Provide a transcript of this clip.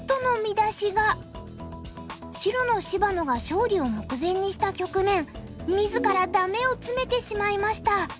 白の芝野が勝利を目前にした局面自らダメをツメてしまいました。